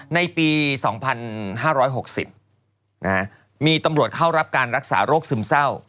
ในปี๒๕๖๐มีตำรวจเข้ารับการรักษาโรคซึมเศร้า